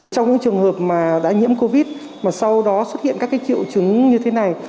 trong những trường hợp đã nhiễm covid mà sau đó xuất hiện các triệu trứng như thế này